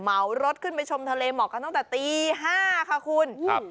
เหมารถขึ้นไปชมทะเลเหมาะกันตั้งแต่ตี๕ค่ะคุณครับ